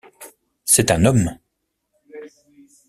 C’est un homme!